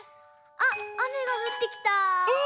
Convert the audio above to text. あっあめがふってきた。